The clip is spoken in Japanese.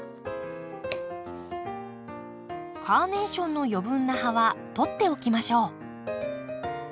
カーネーションの余分な葉は取っておきましょう。